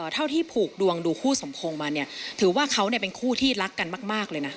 เท่าที่ผูกดวงดูคู่สมพงษ์มาเนี่ยถือว่าเขาเป็นคู่ที่รักกันมากเลยนะ